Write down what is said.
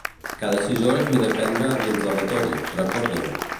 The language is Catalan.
Cada sis hores m'he de prendre antiinflamatori, recorda-ho.